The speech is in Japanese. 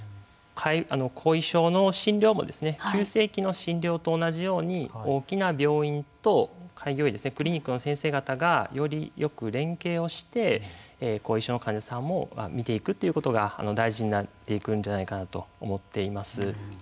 後遺症の診療も急性期の診療と同じように大きな病院と開業医、クリニックの先生方がよりよく連携をして後遺症の患者さんも診ていくということが大事になっていくんじゃないかなと思っています。